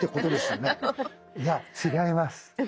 いや違います。